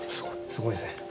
すごいですね。